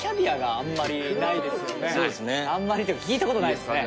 あんまりっていうか聞いたことないですね